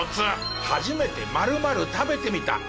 初めて○○食べてみた！